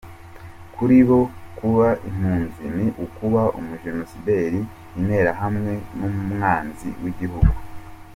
Kuri bo kuba impunzi ni ukuba umujenosideri, interahamwe n’umwanzi w’igihugu.